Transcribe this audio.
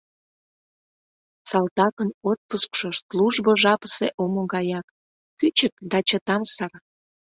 Салтакын отпускшо службо жапысе омо гаяк, кӱчык да чытамсыр.